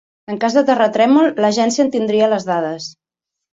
En cas de terratrèmol, l'agència en tindria les dades.